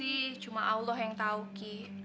ya itu sih cuma allah yang tau ki